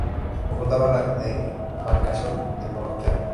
Ocupa la demarcación de Portera.